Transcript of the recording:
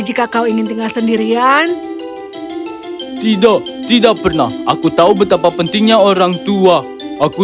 jika kau ingin tinggal sendirian tidak tidak pernah aku tahu betapa pentingnya orang tua aku